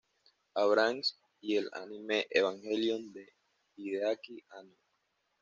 Abrams, y el anime Evangelion de Hideaki Anno.